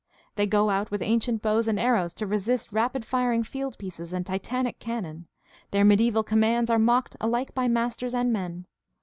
They go out with ancient bows and arrows to resist rapid firing fieldpieces and titanic cannon; their mediaeval commands are mocked alike by masters and men.